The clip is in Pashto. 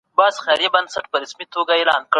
سر پورته وساتئ.